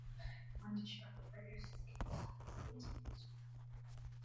mwandishi wa habari anasikika kwenye sauti za mazungumzo